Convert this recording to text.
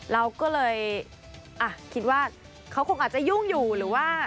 เราก็เลยอ่ะคิดว่าเขาคงอาจจะยุ่งอยู่หรือว่า